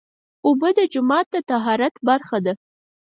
اوبه د جومات د طهارت برخه ده.